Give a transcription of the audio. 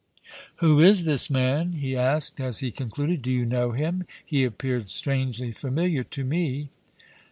"Who is this man?" he asked, as he concluded. "Do you know him? He appeared strangely familiar to me."